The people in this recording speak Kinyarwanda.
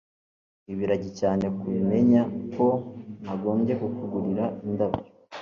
ibiragi cyane kubimenya Ko nagombye kukugurira indabyo